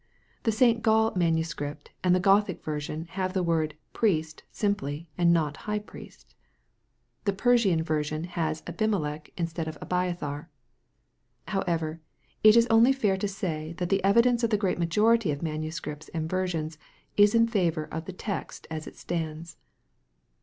The St. Gall manuscript and the Gothic version have the word " Priest" simply, and not " High Priest." The Persian version has " Abimelech" instead of " Abiathar." However, it is only fair to say that the evidence of the great majority of manuscripts and versions ia in favor of the text as it stands.